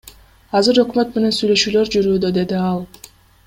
Азыр өкмөт менен сүйлөшүүлөр жүрүүдө, — деди ал.